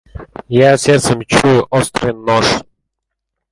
Я сердцем чую острый нож.